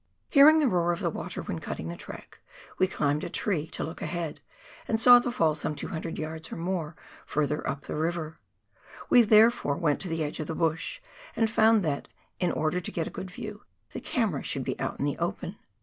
Hearing the roar of the water, when cutting the track, we climbed a tree to look ahead, and saw the full some 200 yards or more further up the river. We therefore went to the edge of the bush, and found that, in order to get a good view, the camera should be out in the open.